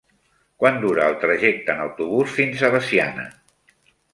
Quant dura el trajecte en autobús fins a Veciana?